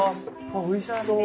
あっおいしそう。